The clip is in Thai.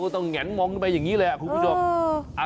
ต้องเหงียนมองไปอย่างนี้แหละ